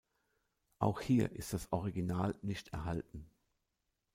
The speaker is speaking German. Auch hier ist das Original nicht erhalten.